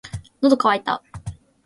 喉乾いた